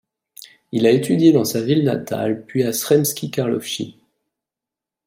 Il a étudié dans sa ville natale puis à Sremski Karlovci.